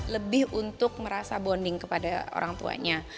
lebih untuk merasa bonding kepada orang tuanya